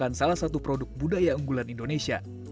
merupakan salah satu produk budaya unggulan indonesia